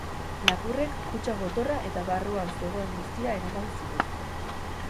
Lapurrek kutxa gotorra eta barruan zegoen guztia eraman zituzten.